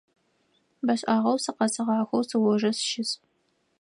Бэ шӏагъэу сыкъэсыгъахэу сыожэ сыщыс.